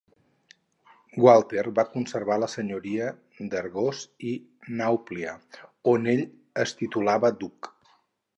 Gualter va conservar la senyoria d'Argos i Nàuplia, on ell es titulava duc.